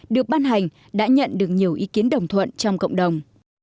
được ban hành đã nhận được nhiều ý kiến đồng thuận trong cộng đồng